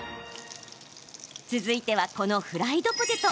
続いては、このフライドポテト。